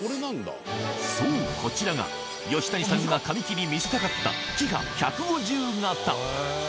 そう、こちらが、吉谷さんが神木に見せたかったキハ１５０形。